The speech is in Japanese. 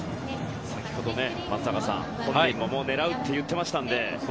先ほど、松坂さん本人も狙うと言ってましたので。